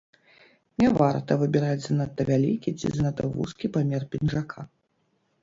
Не варта выбіраць занадта вялікі ці занадта вузкі памер пінжака.